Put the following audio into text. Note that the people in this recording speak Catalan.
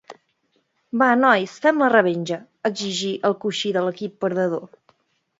Va nois, fem la revenja! —exigí el coixí de l'equip perdedor.